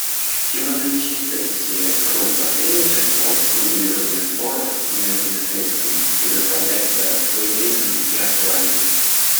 Тема нынешней сессии — «Роль посредничества в урегулировании споров мирными средствами» — представляется своевременной и актуальной.